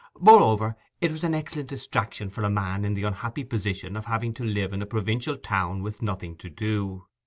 Moreover, it was an excellent distraction for a man in the unhappy position of having to live in a provincial town with nothing to do.